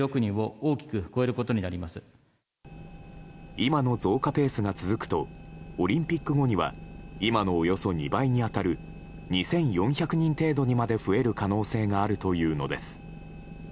今の増加ペースが続くとオリンピック後には今のおよそ２倍に当たる２４００人程度にまで増える可能性があるというのです。